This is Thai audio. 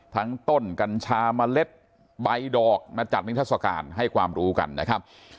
ต้นกัญชาเมล็ดใบดอกมาจัดนิทัศกาลให้ความรู้กันนะครับ